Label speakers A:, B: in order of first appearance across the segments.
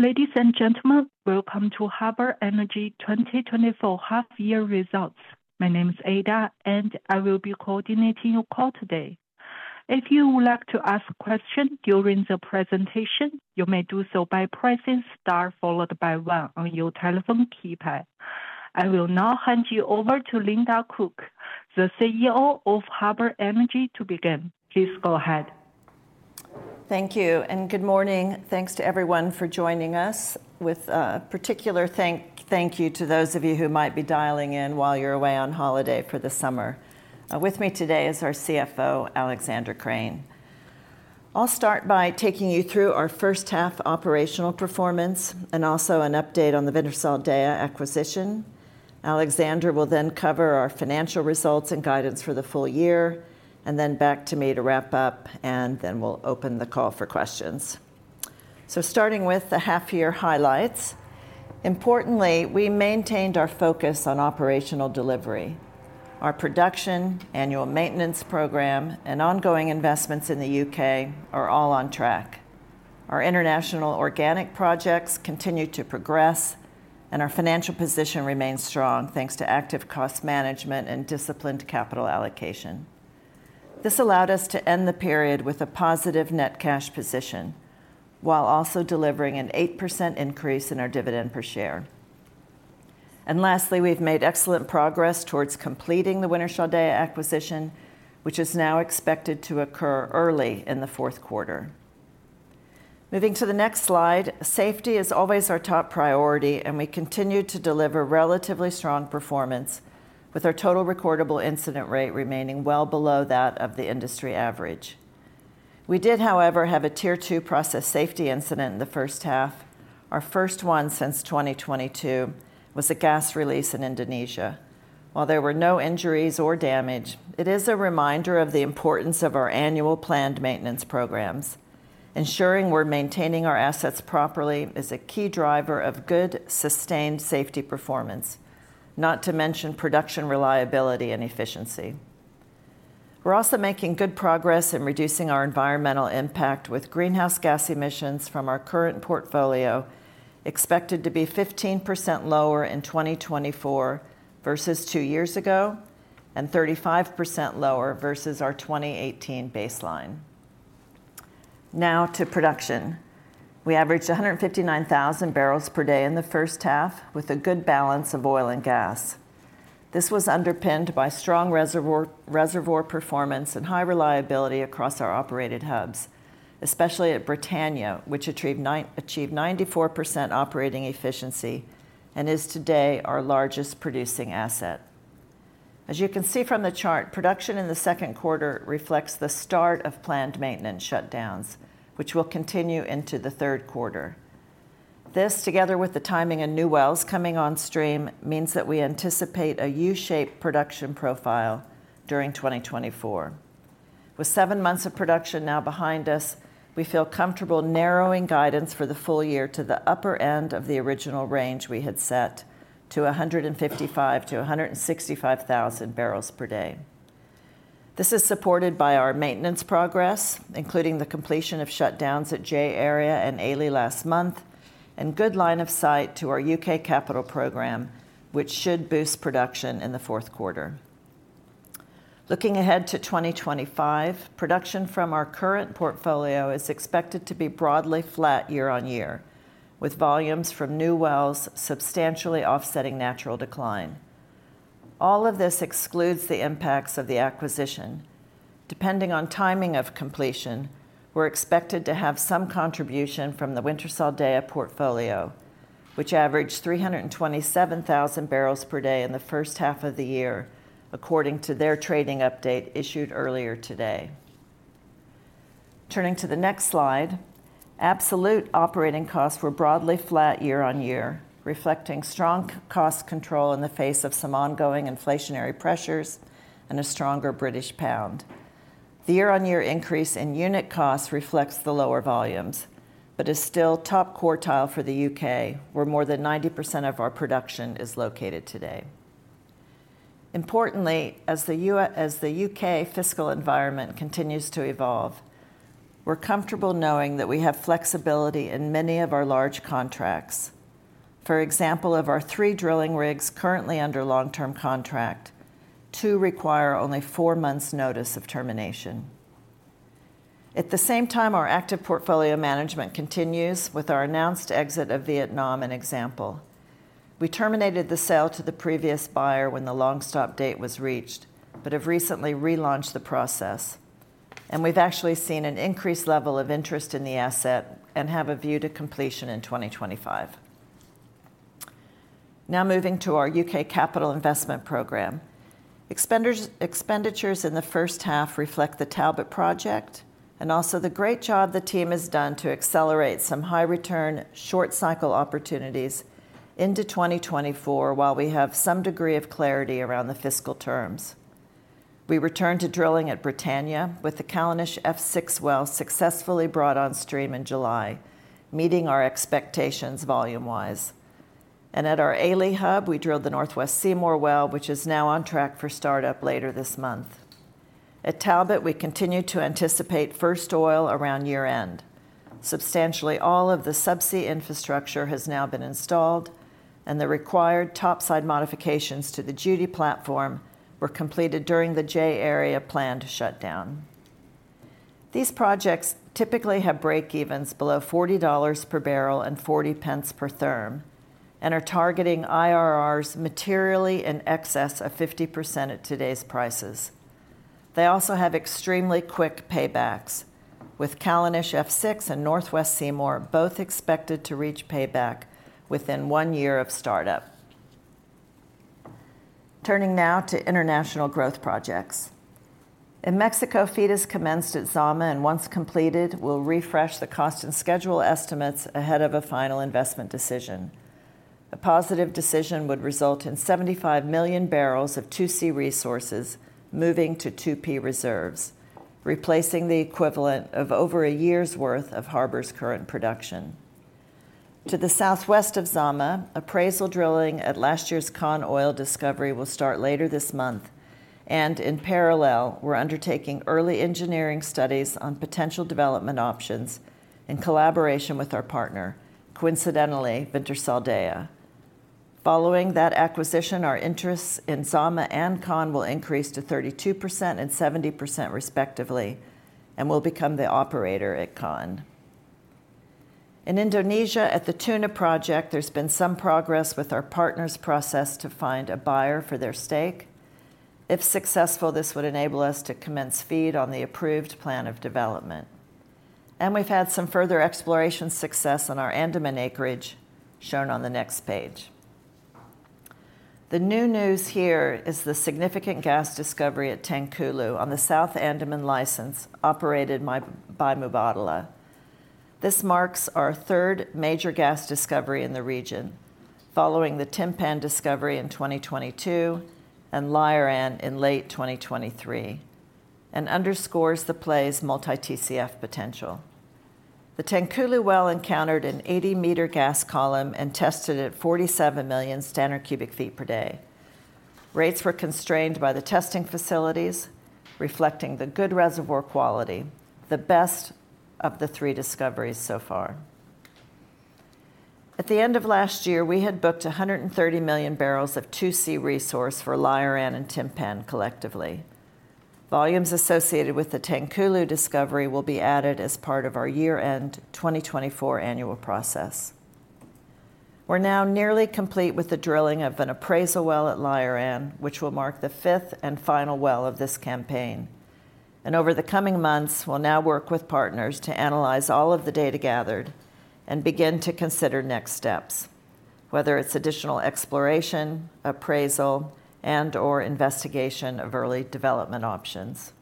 A: Ladies and gentlemen, welcome to Harbour Energy 2024 Half-year Results. My name is Ada, and I will be coordinating your call today. If you would like to ask questions during the presentation, you may do so by pressing star followed by one on your telephone keypad. I will now hand you over to Linda Cook, the CEO of Harbour Energy, to begin. Please go ahead.
B: Thank you, and good morning. Thanks to everyone for joining us, with a particular thank you to those of you who might be dialing in while you're away on holiday for the summer. With me today is our CFO, Alexander Krane. I'll start by taking you through our first half operational performance and also an update on the Wintershall Dea acquisition. Alexander will then cover our financial results and guidance for the full year, and then back to me to wrap up, and then we'll open the call for questions. Starting with the half-year highlights, importantly, we maintained our focus on operational delivery. Our production, annual maintenance program, and ongoing investments in the UK are all on track. Our international organic projects continue to progress, and our financial position remains strong thanks to active cost management and disciplined capital allocation. This allowed us to end the period with a positive net cash position while also delivering an 8% increase in our dividend per share. And lastly, we've made excellent progress towards completing the Wintershall Dea acquisition, which is now expected to occur early in the fourth quarter. Moving to the next slide, safety is always our top priority, and we continue to deliver relatively strong performance, with our total recordable incident rate remaining well below that of the industry average. We did, however, have a tier two process safety incident in the first half. Our first one since 2022 was a gas release in Indonesia. While there were no injuries or damage, it is a reminder of the importance of our annual planned maintenance programs. Ensuring we're maintaining our assets properly is a key driver of good sustained safety performance, not to mention production reliability and efficiency. We're also making good progress in reducing our environmental impact with greenhouse gas emissions from our current portfolio, expected to be 15% lower in 2024 versus two years ago and 35% lower versus our 2018 baseline. Now to production. We averaged 159,000 barrels per day in the first half, with a good balance of oil and gas. This was underpinned by strong reservoir performance and high reliability across our operated hubs, especially at Britannia, which achieved 94% operating efficiency and is today our largest producing asset. As you can see from the chart, production in the second quarter reflects the start of planned maintenance shutdowns, which will continue into the third quarter. This, together with the timing of new wells coming on stream, means that we anticipate a U-shaped production profile during 2024. With seven months of production now behind us, we feel comfortable narrowing guidance for the full year to the upper end of the original range we had set to 155,000 to 165,000 barrels per day. This is supported by our maintenance progress, including the completion of shutdowns at J-Area and AELE last month, and good line of sight to our UK capital program, which should boost production in the fourth quarter. Looking ahead to 2025, production from our current portfolio is expected to be broadly flat year-on-year, with volumes from new wells substantially offsetting natural decline. All of this excludes the impacts of the acquisition. Depending on timing of completion, we're expected to have some contribution from the Wintershall Dea portfolio, which averaged 327,000 barrels per day in the first half of the year, according to their trading update issued earlier today. Turning to the next slide, absolute operating costs were broadly flat year-on-year, reflecting strong cost control in the face of some ongoing inflationary pressures and a stronger British pound. The year-on-year increase in unit costs reflects the lower volumes, but is still top quartile for the UK, where more than 90% of our production is located today. Importantly, as the UK fiscal environment continues to evolve, we're comfortable knowing that we have flexibility in many of our large contracts. For example, of our 3 drilling rigs currently under long-term contract, 2 require only 4 months' notice of termination. At the same time, our active portfolio management continues with our announced exit of Vietnam, an example. We terminated the sale to the previous buyer when the long stop date was reached, but have recently relaunched the process, and we've actually seen an increased level of interest in the asset and have a view to completion in 2025. Now moving to our UK capital investment program, expenditures in the first half reflect the Talbot project and also the great job the team has done to accelerate some high-return, short-cycle opportunities into 2024 while we have some degree of clarity around the fiscal terms. We returned to drilling at Britannia, with the Callanish F6 well successfully brought on stream in July, meeting our expectations volume-wise. At our AELE hub, we drilled the Northwest Seymour well, which is now on track for startup later this month. At Talbot, we continue to anticipate first oil around year-end. Substantially all of the subsea infrastructure has now been installed, and the required topside modifications to the Judy platform were completed during the J-Area planned shutdown. These projects typically have break-evens below $40 per barrel and 0.40 per therm and are targeting IRRs materially in excess of 50% at today's prices. They also have extremely quick paybacks, with Callanish F6 and Northwest Seymour both expected to reach payback within one year of startup. Turning now to international growth projects. In Mexico, FEED has commenced at Zama and once completed, we'll refresh the cost and schedule estimates ahead of a final investment decision. A positive decision would result in 75 million barrels of 2C resources moving to 2P reserves, replacing the equivalent of over a year's worth of Harbour's current production. To the southwest of Zama, appraisal drilling at last year's Kan oil discovery will start later this month, and in parallel, we're undertaking early engineering studies on potential development options in collaboration with our partner, coincidentally, Wintershall Dea. Following that acquisition, our interests in Zama and Kan will increase to 32% and 70% respectively and will become the operator at Kan. In Indonesia, at the Tuna project, there's been some progress with our partner's process to find a buyer for their stake. If successful, this would enable us to commence FEED on the approved plan of development. And we've had some further exploration success on our Andaman acreage, shown on the next page. The new news here is the significant gas discovery at Tangkulo on the South Andaman license operated by Mubadala. This marks our third major gas discovery in the region, following the Timpan discovery in 2022 and Layaran in late 2023, and underscores the play's multi-TCF potential. The Tangkulo well encountered an 80-meter gas column and tested at 47 million standard cubic feet per day. Rates were constrained by the testing facilities, reflecting the good reservoir quality, the best of the three discoveries so far. At the end of last year, we had booked 130 million barrels of 2C resource for Layaran and Timpan collectively. Volumes associated with the Tangkulo discovery will be added as part of our year-end 2024 annual process. We're now nearly complete with the drilling of an appraisal well at Layaran, which will mark the fifth and final well of this campaign. Over the coming months, we'll now work with partners to analyze all of the data gathered and begin to consider next steps, whether it's additional exploration, appraisal, and/or investigation of early development options.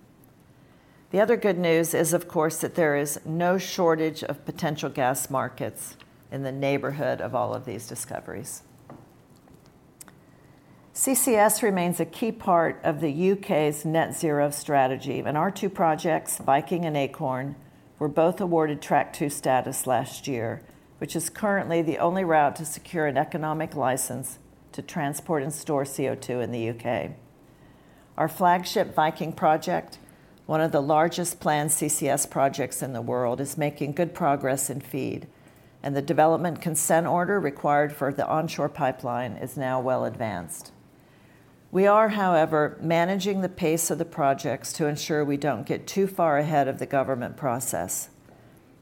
B: The other good news is, of course, that there is no shortage of potential gas markets in the neighborhood of all of these discoveries. CCS remains a key part of the UK's net zero strategy, and our two projects, Viking and Acorn, were both awarded Track 2 status last year, which is currently the only route to secure an economic license to transport and store CO2 in the UK Our flagship Viking project, one of the largest planned CCS projects in the world, is making good progress in FEED, and the development consent order required for the onshore pipeline is now well advanced. We are, however, managing the pace of the projects to ensure we don't get too far ahead of the government process.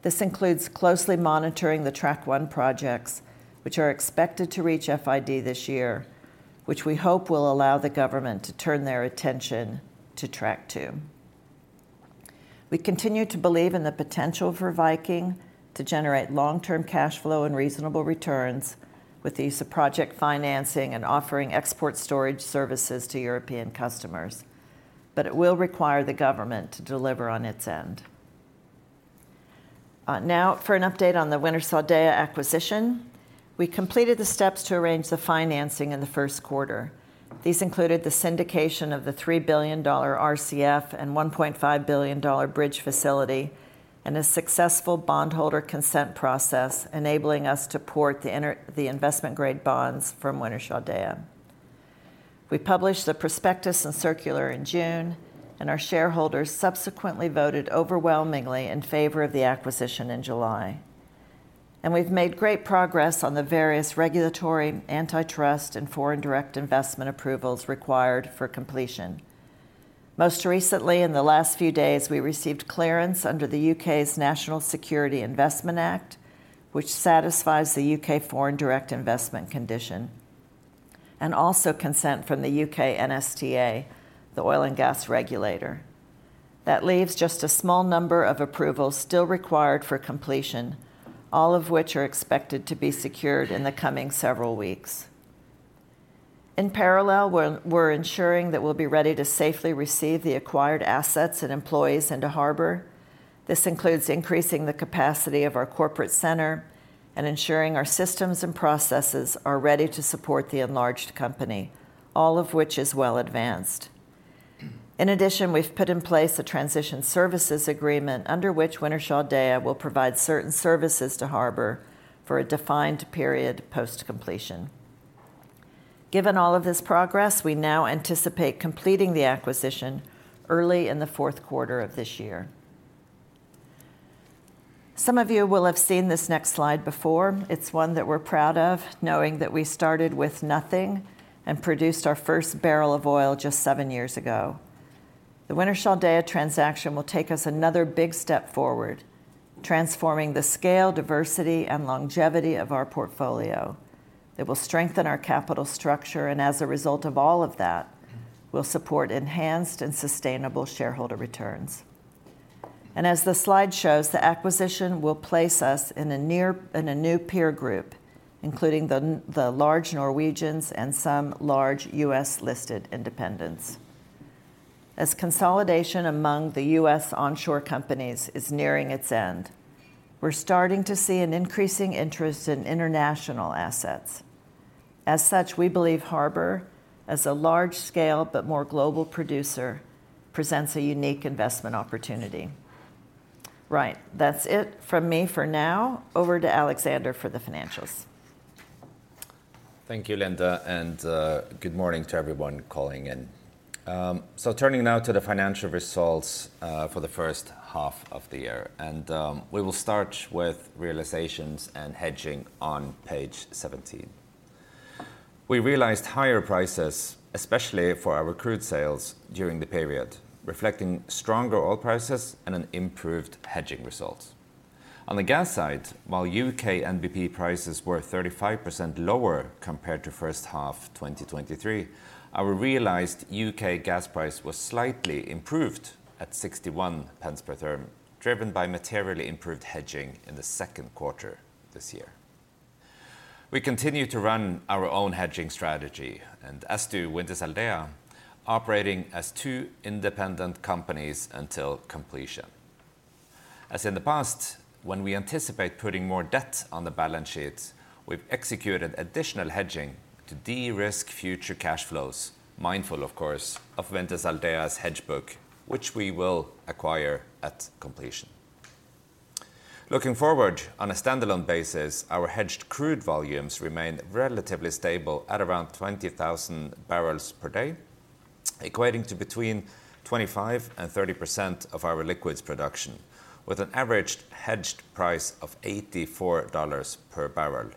B: This includes closely monitoring the Track 1 projects, which are expected to reach FID this year, which we hope will allow the government to turn their attention to Track 2. We continue to believe in the potential for Viking to generate long-term cash flow and reasonable returns with the use of project financing and offering export storage services to European customers, but it will require the government to deliver on its end. Now, for an update on the Wintershall Dea acquisition, we completed the steps to arrange the financing in the first quarter. These included the syndication of the $3 billion RCF and $1.5 billion bridge facility and a successful bondholder consent process enabling us to port the investment-grade bonds from Wintershall Dea. We published the prospectus and circular in June, and our shareholders subsequently voted overwhelmingly in favor of the acquisition in July. We've made great progress on the various regulatory, antitrust, and foreign direct investment approvals required for completion. Most recently, in the last few days, we received clearance under the UK's National Security and Investment Act, which satisfies the UK foreign direct investment condition, and also consent from the UK NSTA, the oil and gas regulator. That leaves just a small number of approvals still required for completion, all of which are expected to be secured in the coming several weeks. In parallel, we're ensuring that we'll be ready to safely receive the acquired assets and employees into Harbour. This includes increasing the capacity of our corporate center and ensuring our systems and processes are ready to support the enlarged company, all of which is well advanced. In addition, we've put in place a transition services agreement under which Wintershall Dea will provide certain services to Harbour for a defined period post-completion. Given all of this progress, we now anticipate completing the acquisition early in the fourth quarter of this year. Some of you will have seen this next slide before. It's one that we're proud of, knowing that we started with nothing and produced our first barrel of oil just seven years ago. The Wintershall Dea transaction will take us another big step forward, transforming the scale, diversity, and longevity of our portfolio. It will strengthen our capital structure, and as a result of all of that, we'll support enhanced and sustainable shareholder returns. As the slide shows, the acquisition will place us in a new peer group, including the large Norwegians and some large U.S.-listed independents. As consolidation among the U.S. onshore companies is nearing its end, we're starting to see an increasing interest in international assets. As such, we believe Harbour, as a large-scale but more global producer, presents a unique investment opportunity. Right. That's it from me for now. Over to Alexander for the financials.
C: Thank you, Linda, and good morning to everyone calling in. Turning now to the financial results for the first half of the year, and we will start with realizations and hedging on page 17. We realized higher prices, especially for our crude sales, during the period, reflecting stronger oil prices and an improved hedging result. On the gas side, while UK NBP prices were 35% lower compared to first half 2023, our realized UK gas price was slightly improved at 0.61 per therm, driven by materially improved hedging in the second quarter this year. We continue to run our own hedging strategy, and as do Wintershall Dea, operating as two independent companies until completion. As in the past, when we anticipate putting more debt on the balance sheet, we've executed additional hedging to de-risk future cash flows, mindful, of course, of Wintershall Dea's hedge book, which we will acquire at completion. Looking forward on a standalone basis, our hedged crude volumes remain relatively stable at around 20,000 barrels per day, equating to between 25% and 30% of our liquids production, with an averaged hedged price of $84 per barrel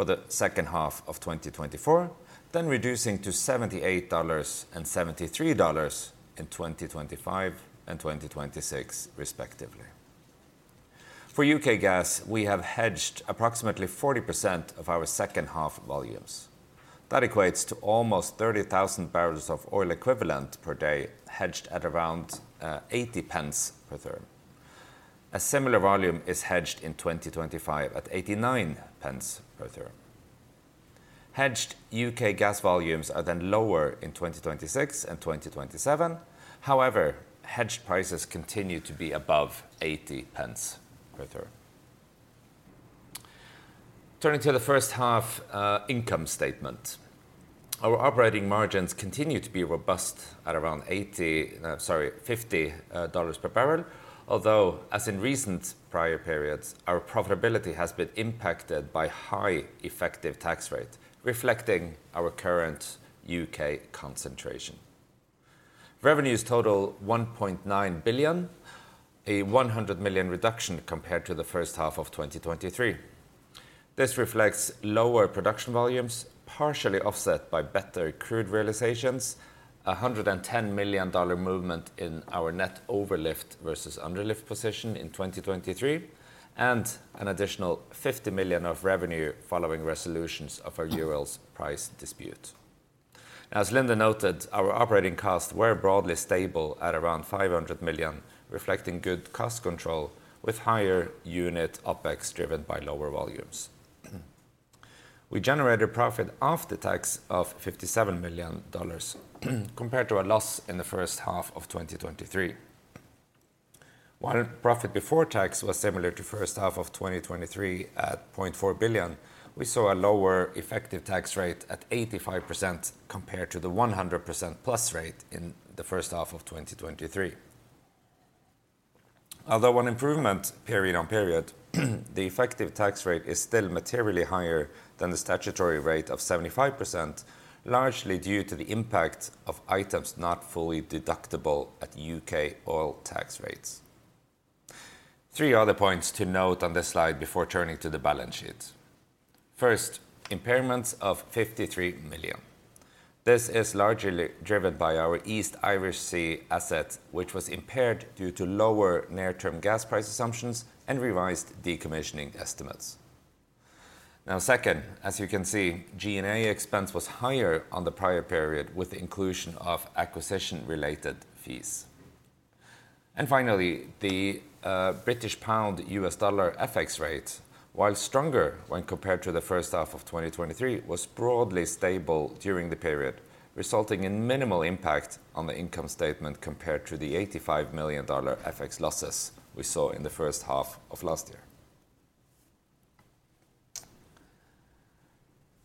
C: for the second half of 2024, then reducing to $78 and $73 in 2025 and 2026, respectively. For UK gas, we have hedged approximately 40% of our second half volumes. That equates to almost 30,000 barrels of oil equivalent per day, hedged at around 80 pence per therm. A similar volume is hedged in 2025 at 0.89 per therm. Hedged UK gas volumes are then lower in 2026 and 2027. However, hedged prices continue to be above 0.80 per therm. Turning to the first half income statement, our operating margins continue to be robust at around $50 per barrel, although, as in recent prior periods, our profitability has been impacted by high effective tax rate, reflecting our current UK concentration. Revenues total $1.9 billion, a $100 million reduction compared to the first half of 2023. This reflects lower production volumes, partially offset by better crude realizations, a $110 million movement in our net overlift versus underlift position in 2023, and an additional $50 million of revenue following resolutions of our Tolmount price dispute. As Linda noted, our operating costs were broadly stable at around $500 million, reflecting good cost control with higher unit Opex driven by lower volumes. We generated profit after tax of $57 million compared to our loss in the first half of 2023. While profit before tax was similar to first half of 2023 at $0.4 billion, we saw a lower effective tax rate at 85% compared to the 100% plus rate in the first half of 2023. Although one improvement period on period, the effective tax rate is still materially higher than the statutory rate of 75%, largely due to the impact of items not fully deductible at UK oil tax rates. Three other points to note on this slide before turning to the balance sheet. First, impairments of $53 million. This is largely driven by our East Irish Sea asset, which was impaired due to lower near-term gas price assumptions and revised decommissioning estimates. Now, second, as you can see, G&A expense was higher on the prior period with the inclusion of acquisition-related fees. And finally, the British pound U.S. dollar FX rate, while stronger when compared to the first half of 2023, was broadly stable during the period, resulting in minimal impact on the income statement compared to the $85 million FX losses we saw in the first half of last year.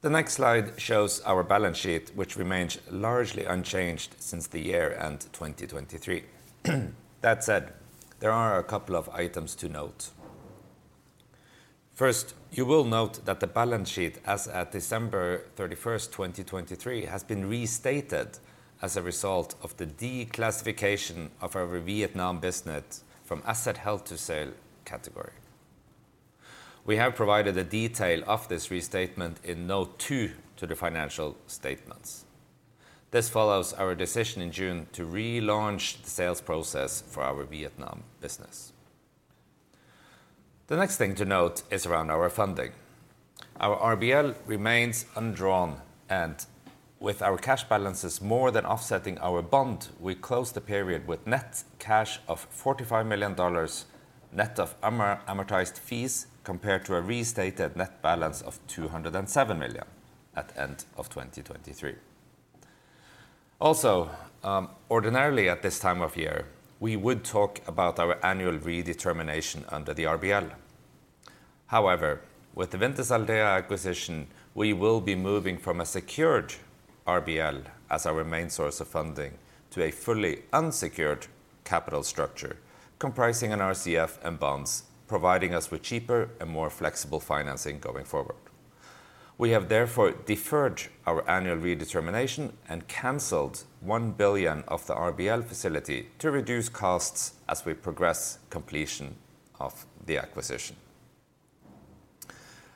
C: The next slide shows our balance sheet, which remains largely unchanged since the year-end 2023. That said, there are a couple of items to note. First, you will note that the balance sheet as at December 31, 2023, has been restated as a result of the declassification of our Vietnam business from asset held for sale category. We have provided a detail of this restatement in note 2 to the financial statements. This follows our decision in June to relaunch the sales process for our Vietnam business. The next thing to note is around our funding. Our RBL remains undrawn, and with our cash balances more than offsetting our bond, we closed the period with net cash of $45 million net of amortized fees compared to a restated net balance of $207 million at the end of 2023. Also, ordinarily at this time of year, we would talk about our annual redetermination under the RBL. However, with the Wintershall Dea acquisition, we will be moving from a secured RBL as our main source of funding to a fully unsecured capital structure comprising an RCF and bonds, providing us with cheaper and more flexible financing going forward. We have therefore deferred our annual redetermination and canceled $1 billion of the RBL facility to reduce costs as we progress completion of the acquisition.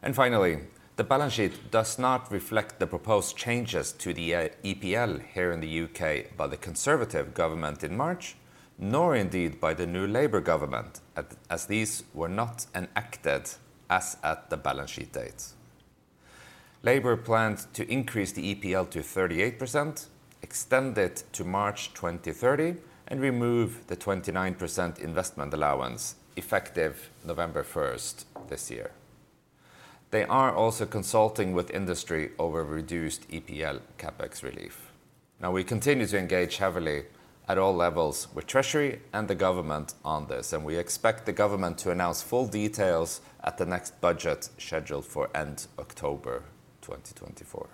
C: And finally, the balance sheet does not reflect the proposed changes to the EPL here in the UK by the Conservative government in March, nor indeed by the new Labour government, as these were not enacted as at the balance sheet date. Labour planned to increase the EPL to 38%, extend it to March 2030, and remove the 29% investment allowance effective November 1 this year. They are also consulting with industry over reduced EPL CapEx relief. Now, we continue to engage heavily at all levels with Treasury and the government on this, and we expect the government to announce full details at the next budget scheduled for end October 2024.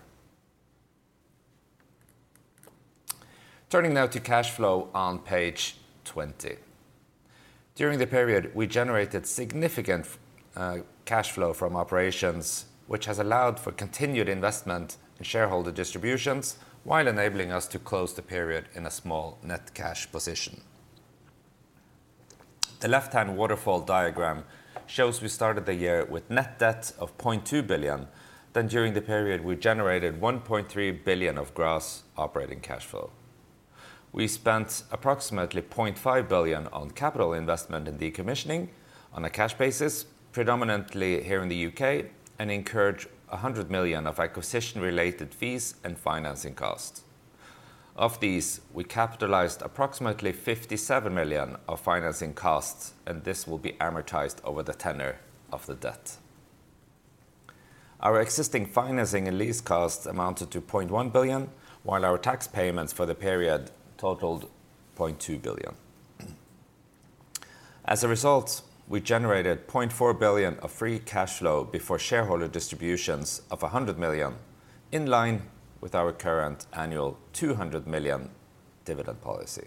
C: Turning now to cash flow on page 20. During the period, we generated significant cash flow from operations, which has allowed for continued investment in shareholder distributions while enabling us to close the period in a small net cash position. The left-hand waterfall diagram shows we started the year with net debt of $0.2 billion. Then, during the period, we generated $1.3 billion of gross operating cash flow. We spent approximately $0.5 billion on capital investment and decommissioning on a cash basis, predominantly here in the UK, and incurred $100 million of acquisition-related fees and financing costs. Of these, we capitalized approximately $57 million of financing costs, and this will be amortized over the tenure of the debt. Our existing financing and lease costs amounted to $0.1 billion, while our tax payments for the period totaled $0.2 billion. As a result, we generated $0.4 billion of free cash flow before shareholder distributions of $100 million, in line with our current annual $200 million dividend policy.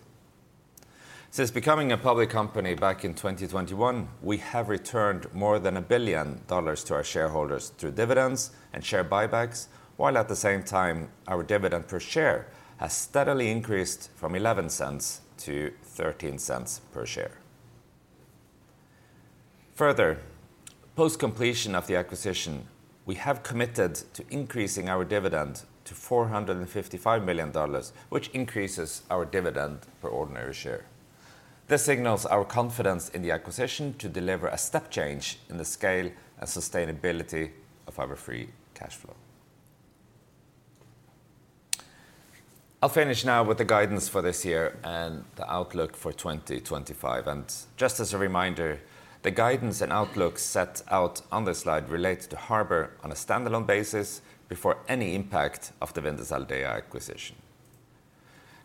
C: Since becoming a public company back in 2021, we have returned more than $1 billion to our shareholders through dividends and share buybacks, while at the same time, our dividend per share has steadily increased from $0.11 to $0.13 per share. Further, post-completion of the acquisition, we have committed to increasing our dividend to $455 million, which increases our dividend per ordinary share. This signals our confidence in the acquisition to deliver a step change in the scale and sustainability of our free cash flow. I'll finish now with the guidance for this year and the outlook for 2025. And just as a reminder, the guidance and outlook set out on this slide relate to Harbour on a standalone basis before any impact of the Wintershall Dea acquisition.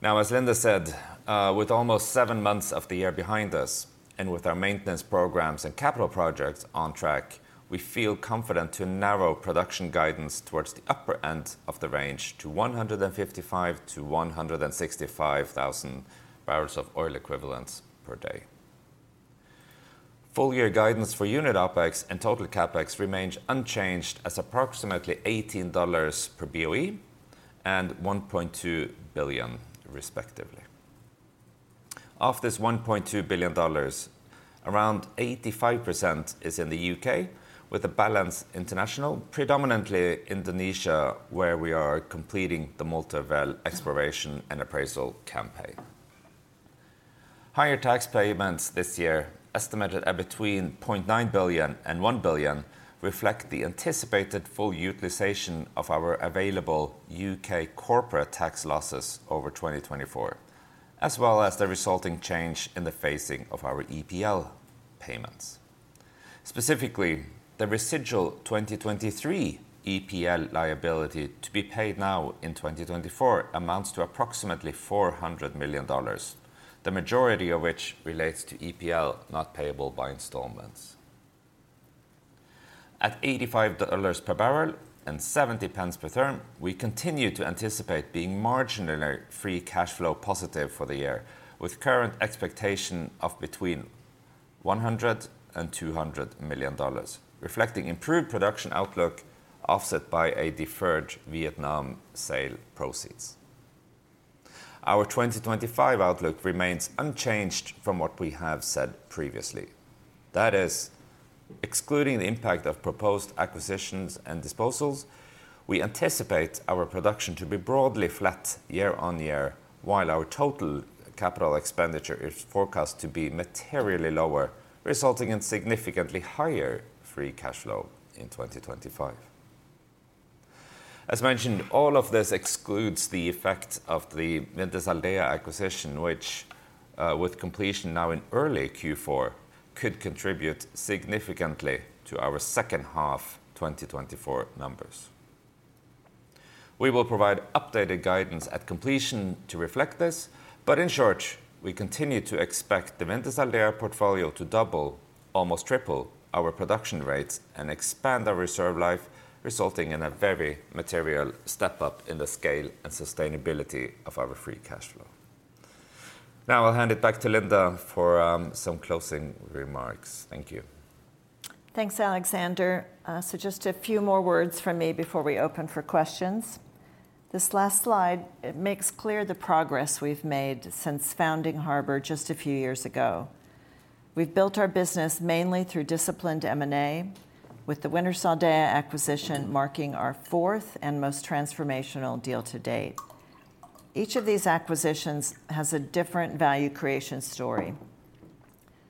C: Now, as Linda said, with almost seven months of the year behind us and with our maintenance programs and capital projects on track, we feel confident to narrow production guidance towards the upper end of the range to $155,000-$165,000 of oil equivalent per day. Full-year guidance for unit Opex and total CapEx remains unchanged as approximately $18 per BOE and $1.2 billion, respectively. Of this $1.2 billion, around 85% is in the UK, with a balance international, predominantly Indonesia, where we are completing the multi-well exploration and appraisal campaign. Higher tax payments this year, estimated at between $0.9 billion-$1 billion, reflect the anticipated full utilization of our available UK corporate tax losses over 2024, as well as the resulting change in the phasing of our EPL payments. Specifically, the residual 2023 EPL liability to be paid now in 2024 amounts to approximately $400 million, the majority of which relates to EPL not payable by installments. At $85 per barrel and 0.70 per therm, we continue to anticipate being marginally free cash flow positive for the year, with current expectation of between $100 million-$200 million, reflecting improved production outlook offset by a deferred Vietnam sale proceeds. Our 2025 outlook remains unchanged from what we have said previously. That is, excluding the impact of proposed acquisitions and disposals, we anticipate our production to be broadly flat year on year, while our total capital expenditure is forecast to be materially lower, resulting in significantly higher free cash flow in 2025. As mentioned, all of this excludes the effect of the Wintershall Dea acquisition, which, with completion now in early Q4, could contribute significantly to our second half 2024 numbers. We will provide updated guidance at completion to reflect this, but in short, we continue to expect the Wintershall Dea portfolio to double, almost triple our production rates and expand our reserve life, resulting in a very material step up in the scale and sustainability of our free cash flow. Now, I'll hand it back to Linda for some closing remarks. Thank you.
B: Thanks, Alexander. So just a few more words from me before we open for questions. This last slide makes clear the progress we've made since founding Harbour just a few years ago. We've built our business mainly through disciplined M&A, with the Wintershall Dea acquisition marking our fourth and most transformational deal to date. Each of these acquisitions has a different value creation story.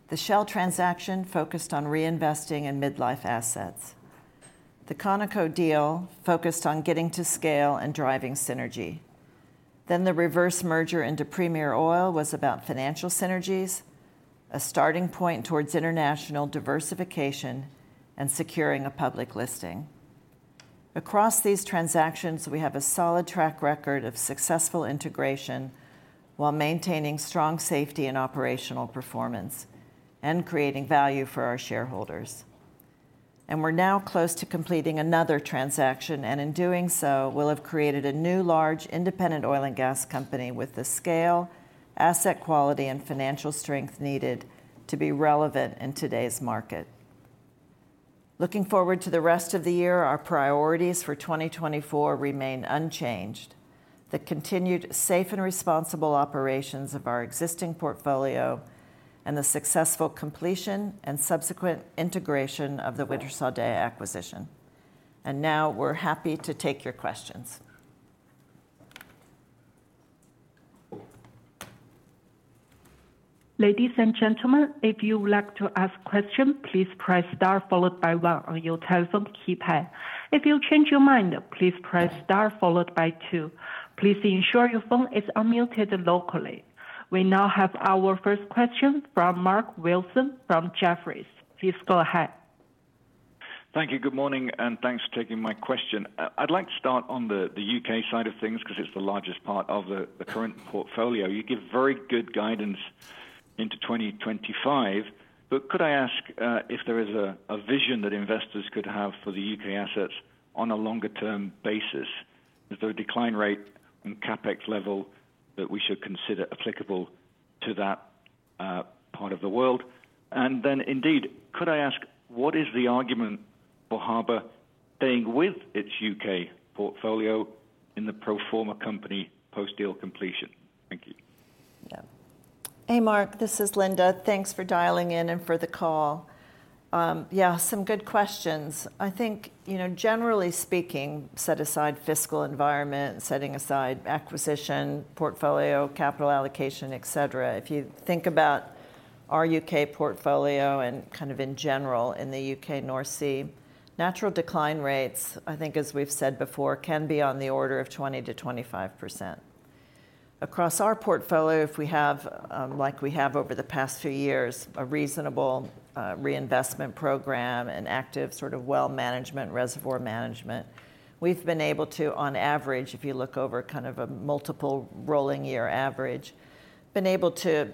B: The Shell transaction focused on reinvesting in midlife assets. The Conoco deal focused on getting to scale and driving synergy. Then the reverse merger into Premier Oil was about financial synergies, a starting point towards international diversification and securing a public listing. Across these transactions, we have a solid track record of successful integration while maintaining strong safety and operational performance and creating value for our shareholders. And we're now close to completing another transaction, and in doing so, we'll have created a new large independent oil and gas company with the scale, asset quality, and financial strength needed to be relevant in today's market. Looking forward to the rest of the year, our priorities for 2024 remain unchanged: the continued safe and responsible operations of our existing portfolio and the successful completion and subsequent integration of the Wintershall Dea acquisition. And now we're happy to take your questions.
A: Ladies and gentlemen, if you would like to ask a question, please press star followed by one on your telephone keypad. If you change your mind, please press star followed by two. Please ensure your phone is unmuted locally. We now have our first question from Mark Wilson from Jefferies. Please go ahead.
D: Thank you. Good morning, and thanks for taking my question. I'd like to start on the UK side of things because it's the largest part of the current portfolio. You give very good guidance into 2025, but could I ask if there is a vision that investors could have for the UK assets on a longer-term basis? Is there a decline rate and CapEx level that we should consider applicable to that part of the world? And then indeed, could I ask, what is the argument for Harbour staying with its UK portfolio in the pro forma company post-deal completion? Thank you.
B: Yeah. Hey, Mark, this is Linda. Thanks for dialing in and for the call. Yeah, some good questions. I think, you know, generally speaking, set aside fiscal environment, setting aside acquisition, portfolio, capital allocation, et cetera. If you think about our UK portfolio and kind of in general in the UK North Sea, natural decline rates, I think as we've said before, can be on the order of 20%-25%. Across our portfolio, if we have, like we have over the past few years, a reasonable reinvestment program and active sort of well management, reservoir management, we've been able to, on average, if you look over kind of a multiple rolling year average, been able to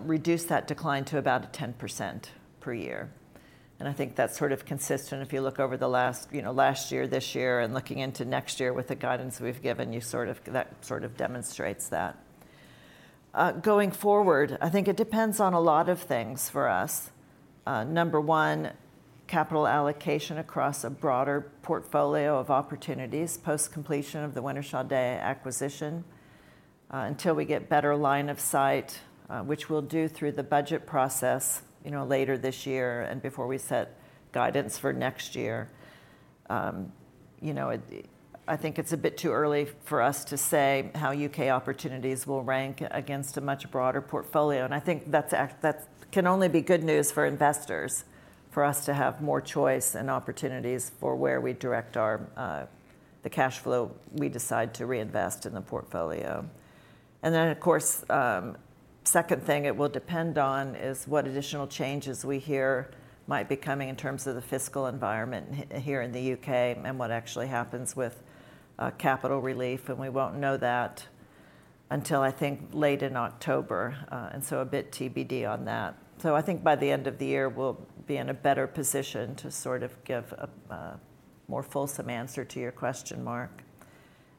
B: reduce that decline to about 10% per year. And I think that's sort of consistent if you look over the last, you know, last year, this year, and looking into next year with the guidance we've given, you sort of, that sort of demonstrates that. Going forward, I think it depends on a lot of things for us. Number one, capital allocation across a broader portfolio of opportunities post-completion of the Wintershall Dea acquisition until we get better line of sight, which we'll do through the budget process, you know, later this year and before we set guidance for next year. You know, I think it's a bit too early for us to say how UK opportunities will rank against a much broader portfolio. And I think that can only be good news for investors, for us to have more choice and opportunities for where we direct our, the cash flow we decide to reinvest in the portfolio. And then, of course, second thing it will depend on is what additional changes we hear might be coming in terms of the fiscal environment here in the UK and what actually happens with capital relief. And we won't know that until, I think, late in October. And so a bit TBD on that. So I think by the end of the year, we'll be in a better position to sort of give a more fulsome answer to your question, Mark.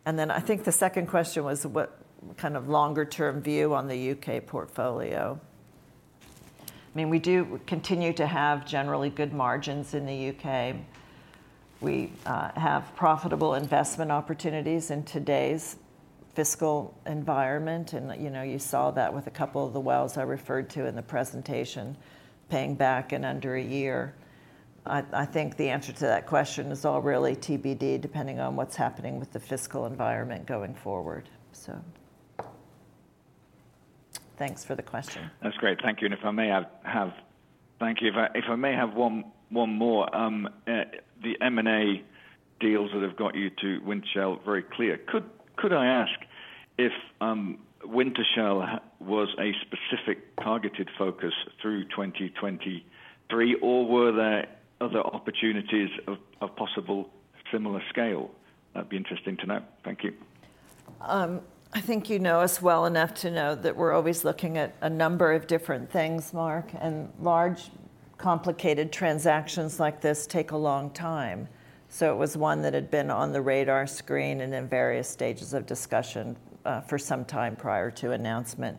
B: And then I think the second question was what kind of longer-term view on the UK portfolio. I mean, we do continue to have generally good margins in the UK. We have profitable investment opportunities in today's fiscal environment. And, you know, you saw that with a couple of the wells I referred to in the presentation, paying back in under a year. I think the answer to that question is all really TBD, depending on what's happening with the fiscal environment going forward. So thanks for the question.
D: That's great. Thank you. And if I may have, thank you. If I may have one more, the M&A deals that have got you to Wintershall Dea very clear. Could I ask if Wintershall Dea was a specific targeted focus through 2023, or were there other opportunities of possible similar scale? That'd be interesting to know. Thank you.
B: I think you know us well enough to know that we're always looking at a number of different things, Mark, and large, complicated transactions like this take a long time. So it was one that had been on the radar screen and in various stages of discussion for some time prior to announcement.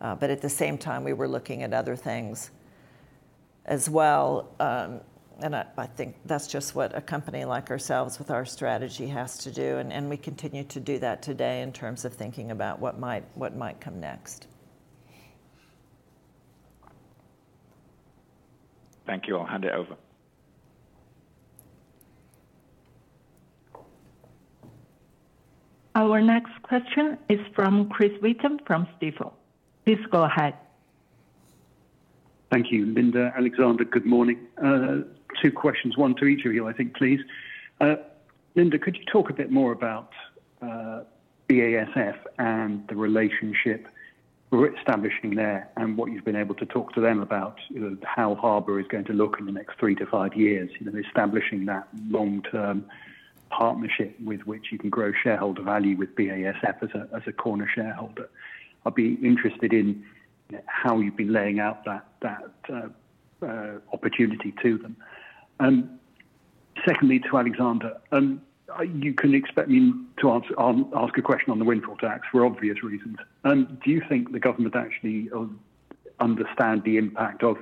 B: But at the same time, we were looking at other things as well. And I think that's just what a company like ourselves with our strategy has to do. And we continue to do that today in terms of thinking about what might come next.
D: Thank you. I'll hand it over.
A: Our next question is from Chris Wheaton from Stifel. Please go ahead.
E: Thank you, Linda. Alexander, good morning. Two questions, one to each of you, I think, please. Linda, could you talk a bit more about BASF and the relationship we're establishing there and what you've been able to talk to them about, how Harbour is going to look in the next three to five years, establishing that long-term partnership with which you can grow shareholder value with BASF as a corner shareholder? I'd be interested in how you've been laying out that opportunity to them. Secondly, to Alexander, you can expect me to ask a question on the windfall tax for obvious reasons. Do you think the government actually understands the impact of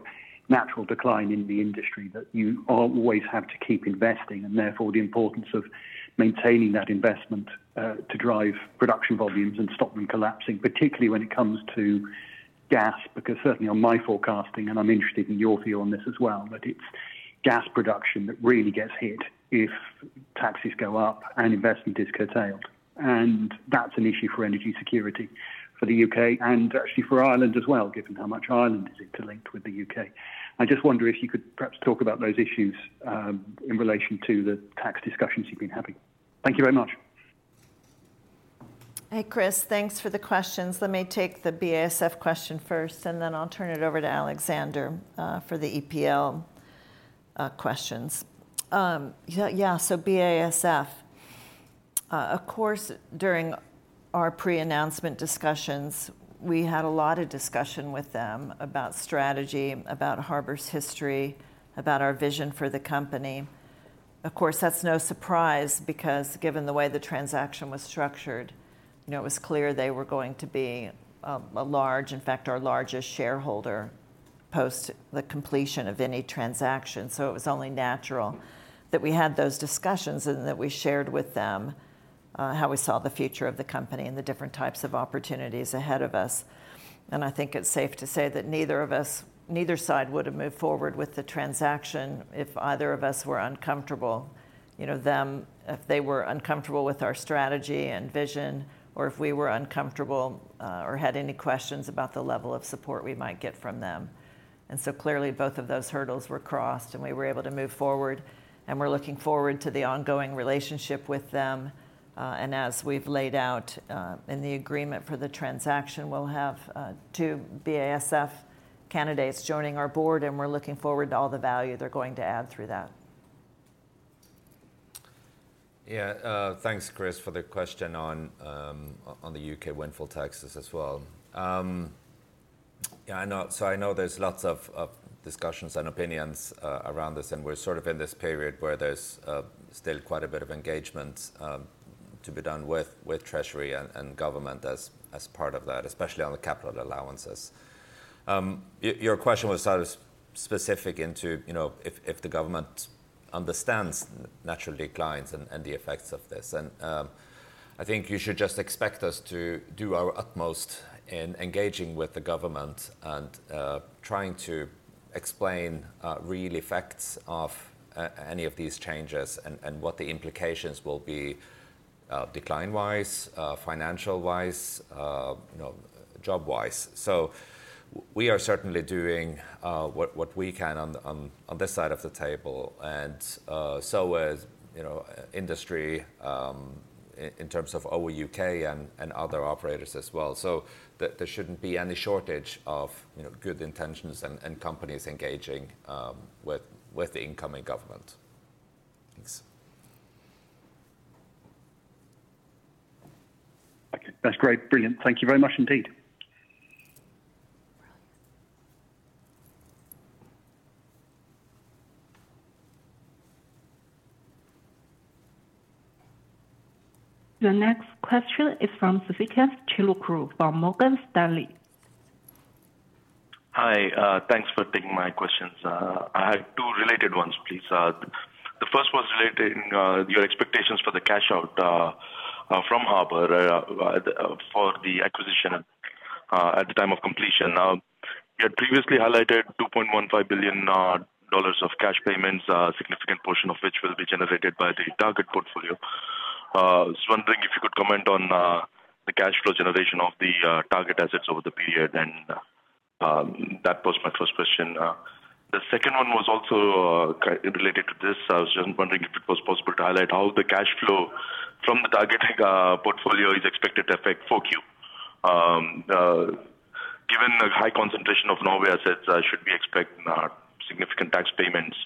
E: natural decline in the industry that you always have to keep investing and therefore the importance of maintaining that investment to drive production volumes and stop them collapsing, particularly when it comes to gas? Because certainly on my forecasting, and I'm interested in your view on this as well, but it's gas production that really gets hit if taxes go up and investment is curtailed. And that's an issue for energy security for the UK and actually for Ireland as well, given how much Ireland is interlinked with the UK I just wonder if you could perhaps talk about those issues in relation to the tax discussions you've been having. Thank you very much.
B: Hey, Chris, thanks for the questions. Let me take the BASF question first, and then I'll turn it over to Alexander for the EPL questions. Yeah, so BASF, of course, during our pre-announcement discussions, we had a lot of discussion with them about strategy, about Harbour's history, about our vision for the company. Of course, that's no surprise because given the way the transaction was structured, you know, it was clear they were going to be a large, in fact, our largest shareholder post the completion of any transaction. So it was only natural that we had those discussions and that we shared with them how we saw the future of the company and the different types of opportunities ahead of us. And I think it's safe to say that neither of us, neither side would have moved forward with the transaction if either of us were uncomfortable, you know, them, if they were uncomfortable with our strategy and vision, or if we were uncomfortable or had any questions about the level of support we might get from them. And so clearly both of those hurdles were crossed and we were able to move forward and we're looking forward to the ongoing relationship with them. And as we've laid out in the agreement for the transaction, we'll have two BASF candidates joining our board and we're looking forward to all the value they're going to add through that.
C: Yeah, thanks, Chris, for the question on the UK windfall taxes as well. Yeah, I know, so I know there's lots of discussions and opinions around this and we're sort of in this period where there's still quite a bit of engagement to be done with Treasury and government as part of that, especially on the capital allowances. Your question was sort of specific into, you know, if the government understands natural declines and the effects of this. And I think you should just expect us to do our utmost in engaging with the government and trying to explain real effects of any of these changes and what the implications will be decline-wise, financial-wise, you know, job-wise. So we are certainly doing what we can on this side of the table and so is, you know, industry in terms of our UK and other operators as well. So there shouldn't be any shortage of good intentions and companies engaging with the incoming government.
E: Thanks. That's great. Brilliant. Thank you very much indeed.
A: The next question is from Sasikanth Chilukuru, from Morgan Stanley.
F: Hi, thanks for taking my questions. I have two related ones, please. The first was relating your expectations for the cash out from Harbour for the acquisition at the time of completion. You had previously highlighted $2.15 billion of cash payments, a significant portion of which will be generated by the target portfolio. I was wondering if you could comment on the cash flow generation of the target assets over the period, and that was my first question. The second one was also related to this. I was just wondering if it was possible to highlight how the cash flow from the target portfolio is expected to affect Q4. Given the high concentration of Norway assets, should we expect significant tax payments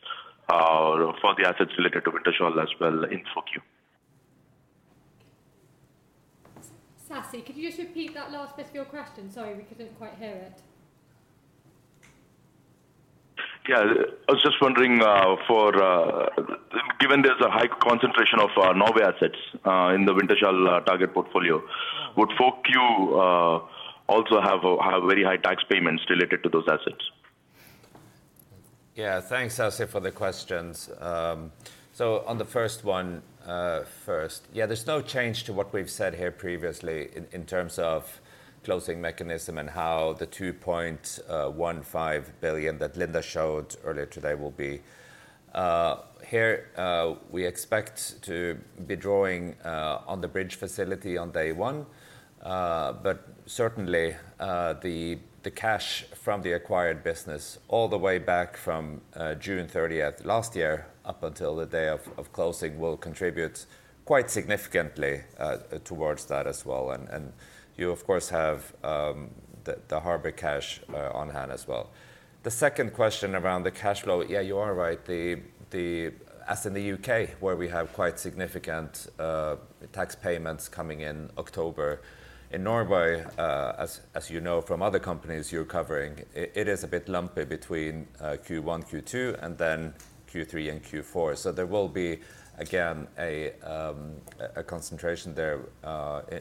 F: for the assets related to Wintershall as well in Q4? Sasi, could you just repeat that last bit of your question?
B: Sorry, we couldn't quite hear it.
F: Yeah, I was just wondering for, given there's a high concentration of Norway assets in the Wintershall target portfolio, would Q4 also have very high tax payments related to those assets?
C: Yeah, thanks, Sasi, for the questions. So on the first one first, yeah, there's no change to what we've said here previously in terms of closing mechanism and how the $2.15 billion that Linda showed earlier today will be. Here we expect to be drawing on the bridge facility on day one, but certainly the cash from the acquired business all the way back from June 30th last year up until the day of closing will contribute quite significantly towards that as well. And you, of course, have the Harbour cash on hand as well. The second question around the cash flow, yeah, you are right, as in the UK where we have quite significant tax payments coming in October. In Norway, as you know from other companies you're covering, it is a bit lumpy between Q1, Q2, and then Q3 and Q4. So there will be again a concentration there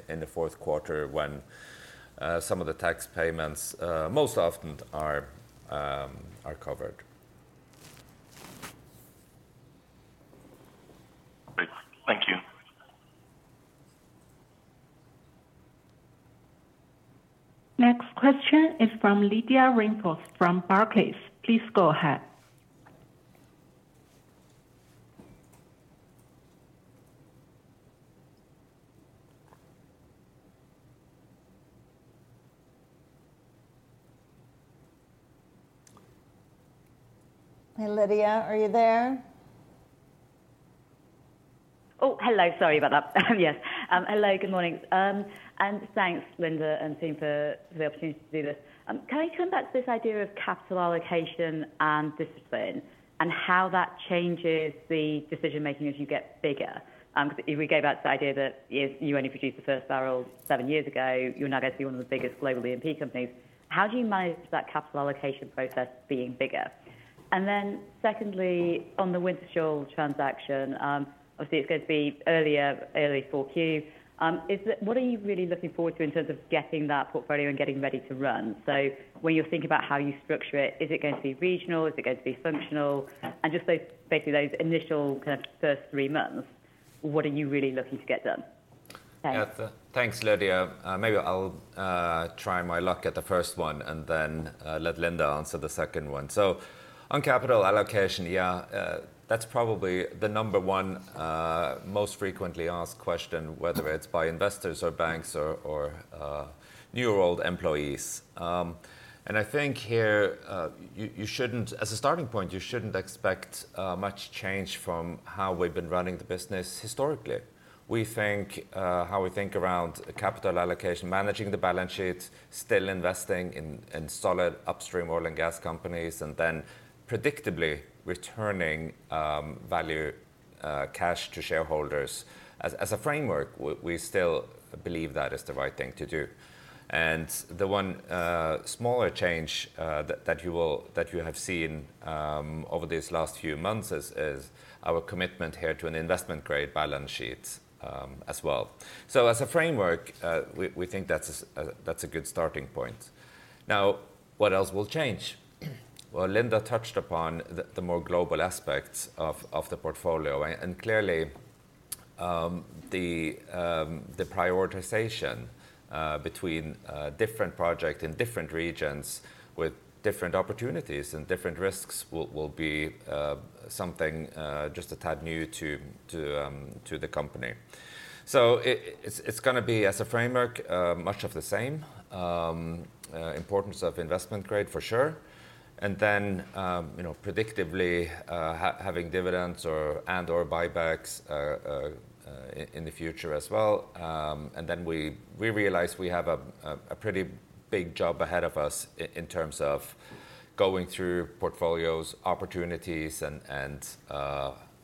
C: in the fourth quarter when some of the tax payments most often are covered.
F: Thank you.
A: Next question is from Lydia Rainforth from Barclays. Please go ahead.
G: Hey, Lydia, are you there? Oh, hello, sorry about that. Yes. Hello, good morning. Thanks, Linda and team for the opportunity to do this. Can I come back to this idea of capital allocation and discipline and how that changes the decision-making as you get bigger? Because we gave out the idea that if you only produced the first barrel seven years ago, you're not going to be one of the biggest global E&P companies. How do you manage that capital allocation process being bigger? And then secondly, on the Wintershall transaction, obviously it's going to be earlier, early close. What are you really looking forward to in terms of getting that portfolio and getting ready to run? So when you're thinking about how you structure it, is it going to be regional? Is it going to be functional? And just basically those initial kind of first three months, what are you really looking to get done?
C: Thanks, Lydia. Maybe I'll try my luck at the first one and then let Linda answer the second one. So on capital allocation, yeah, that's probably the number one most frequently asked question, whether it's by investors or banks or new or old employees. And I think here you shouldn't, as a starting point, you shouldn't expect much change from how we've been running the business historically. We think how we think around capital allocation, managing the balance sheet, still investing in solid upstream oil and gas companies, and then predictably returning value cash to shareholders as a framework. We still believe that is the right thing to do. And the one smaller change that you have seen over these last few months is our commitment here to an investment-grade balance sheet as well. So as a framework, we think that's a good starting point. Now, what else will change? Well, Linda touched upon the more global aspects of the portfolio, and clearly the prioritization between different projects in different regions with different opportunities and different risks will be something just a tad new to the company. So it's going to be, as a framework, much of the same, importance of investment-grade for sure. And then, you know, predictably having dividends and/or buybacks in the future as well. And then we realize we have a pretty big job ahead of us in terms of going through portfolios, opportunities, and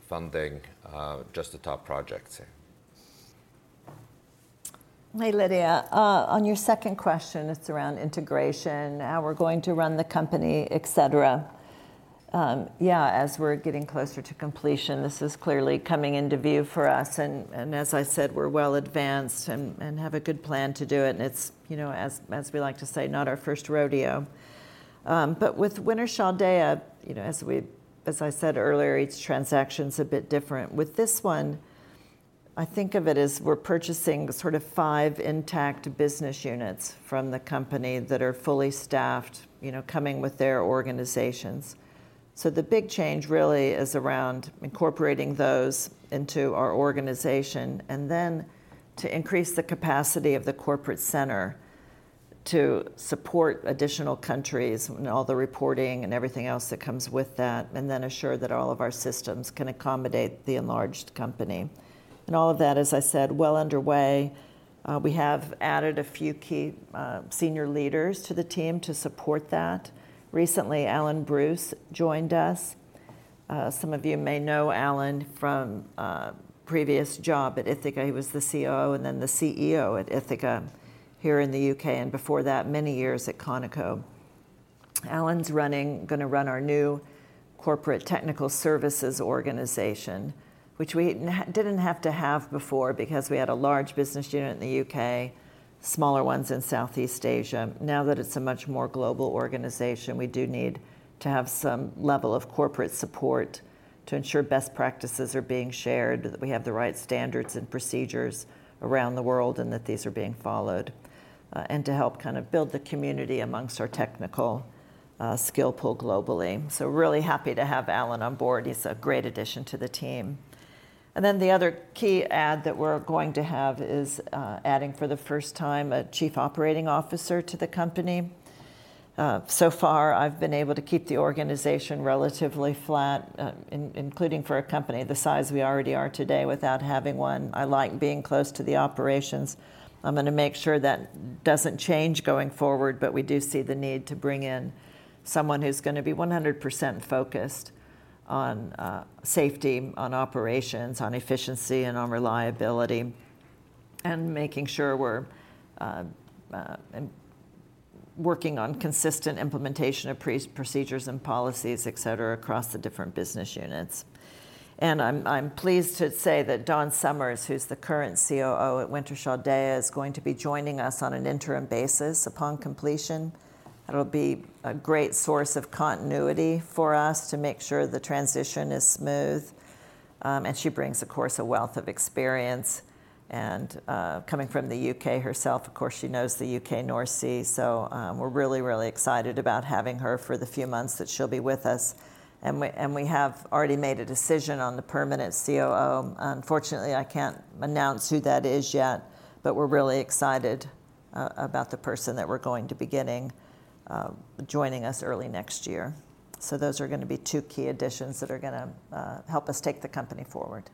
C: funding just the top projects.
B: Hey, Lydia, on your second question, it's around integration, how we're going to run the company, etc. Yeah, as we're getting closer to completion, this is clearly coming into view for us. And as I said, we're well advanced and have a good plan to do it. It's, you know, as we like to say, not our first rodeo. But with Wintershall, as I said earlier, each transaction is a bit different. With this one, I think of it as we're purchasing sort of five intact business units from the company that are fully staffed, you know, coming with their organizations. So the big change really is around incorporating those into our organization and then to increase the capacity of the corporate center to support additional countries and all the reporting and everything else that comes with that, and then assure that all of our systems can accommodate the enlarged company. And all of that, as I said, well underway. We have added a few key senior leaders to the team to support that. Recently, Alan Bruce joined us. Some of you may know Alan from a previous job at Ithaca. He was the COO and then the CEO at Ithaca here in the UK and before that, many years at Conoco. Alan's going to run our new corporate technical services organization, which we didn't have to have before because we had a large business unit in the UK, smaller ones in Southeast Asia. Now that it's a much more global organization, we do need to have some level of corporate support to ensure best practices are being shared, that we have the right standards and procedures around the world and that these are being followed, and to help kind of build the community amongst our technical skill pool globally. So really happy to have Alan on board. He's a great addition to the team. And then the other key add that we're going to have is adding for the first time a Chief Operating Officer to the company. So far, I've been able to keep the organization relatively flat, including for a company the size we already are today without having one. I like being close to the operations. I'm going to make sure that doesn't change going forward, but we do see the need to bring in someone who's going to be 100% focused on safety, on operations, on efficiency, and on reliability, and making sure we're working on consistent implementation of procedures and policies, etc., across the different business units. I'm pleased to say that Dawn Summers, who's the current COO at Wintershall Dea, is going to be joining us on an interim basis upon completion. That'll be a great source of continuity for us to make sure the transition is smooth. And she brings, of course, a wealth of experience. And coming from the UK herself, of course, she knows the UK North Sea. So we're really, really excited about having her for the few months that she'll be with us. We have already made a decision on the permanent COO. Unfortunately, I can't announce who that is yet, but we're really excited about the person that we're going to be getting joining us early next year. So those are going to be two key additions that are going to help us take the company forward.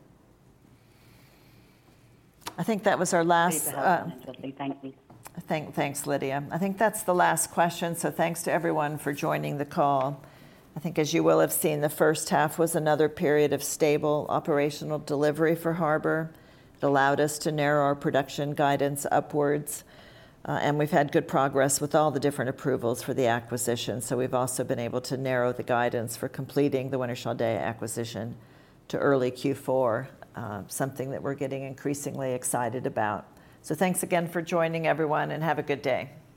B: I think that was our last.
G: Thank you.
B: Thanks, Lydia. I think that's the last question. So thanks to everyone for joining the call. I think, as you will have seen, the first half was another period of stable operational delivery for Harbour. It allowed us to narrow our production guidance upwards. We've had good progress with all the different approvals for the acquisition. So we've also been able to narrow the guidance for completing the Wintershall Dea acquisition to early Q4, something that we're getting increasingly excited about. So thanks again for joining, everyone, and have a good day.